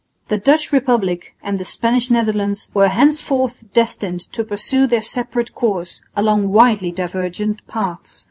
The Dutch republic and the Spanish Netherlands were henceforth destined to pursue their separate course along widely divergent paths.